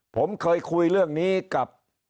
ผมเคยคุยเรื่องนี้กับ